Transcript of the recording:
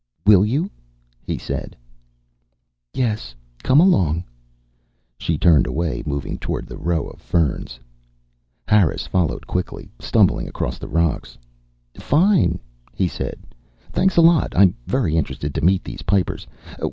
"Will you?" he said. "Yes. Come along." She turned away, moving toward the row of ferns. Harris followed quickly, stumbling across the rocks. "Fine," he said. "Thanks a lot. I'm very interested to meet these Pipers.